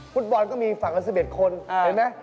ฟุตบอลก็มีฝั่งกัน๑๑คนเห็นไหม